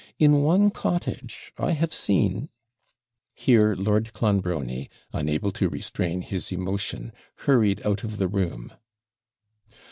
In one cottage, I have seen ' Here Lord Clonbrony, unable to restrain his emotion, hurried out of the room.